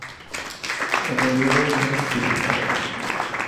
El relieve es muy accidentado.